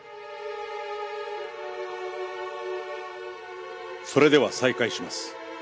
それでは再開します。